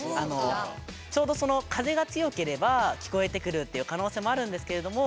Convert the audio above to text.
ちょうど風が強ければ聞こえてくるっていう可能性もあるんですけれども。